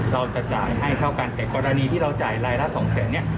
เราจะจ่ายให้เท่ากันแต่กรณีที่เราจ่ายรายละสองแสนเนี่ย